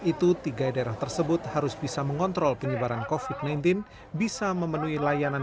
itu tiga daerah tersebut harus bisa mengontrol penyebaran kofit sembilan belas bisa memenuhi layanan